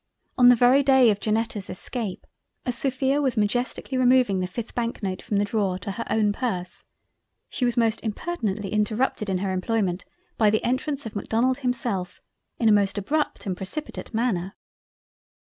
on the very day of Janetta's Escape, as Sophia was majestically removing the 5th Bank note from the Drawer to her own purse, she was suddenly most impertinently interrupted in her employment by the entrance of Macdonald himself, in a most abrupt and precipitate Manner.